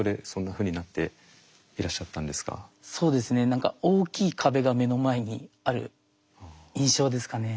何か大きい壁が目の前にある印象ですかね。